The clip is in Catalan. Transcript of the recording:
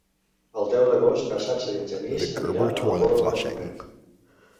El deu d'agost na Sança i en Genís aniran a la Pobla de Mafumet.